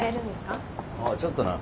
ああちょっとな。